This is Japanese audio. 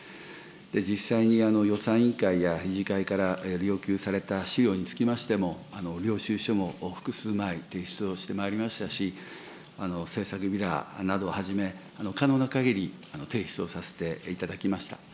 実際に予算委員会や理事会から要求された資料につきましても、領収書も複数枚提出をしてまいりましたし、政策ビラなどをはじめ、可能なかぎり提出をさせていただきました。